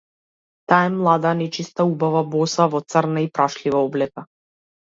Таа е млада, нечиста убава, боса, во црна и прашлива облека.